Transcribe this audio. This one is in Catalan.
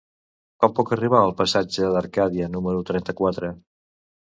Com puc arribar al passatge d'Arcadia número trenta-quatre?